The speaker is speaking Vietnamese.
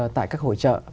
tại các hội trợ